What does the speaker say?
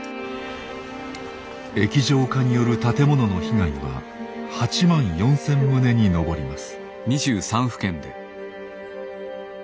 液状化による建物の被害は８万４，０００棟に上ります。